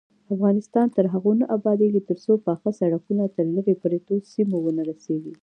افغانستان تر هغو نه ابادیږي، ترڅو پاخه سړکونه تر لیرې پرتو سیمو ونه رسیږي.